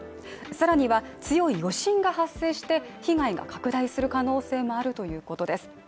さらには強い余震が発生して被害が拡大する可能性もあるということです。